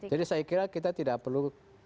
jadi saya kira kita tidak perlu